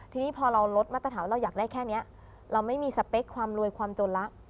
ทีนี้พอเราลดมาตรฐานว่าเราอยากได้แค่นี้เราไม่มีสเปคความรวยความจนละ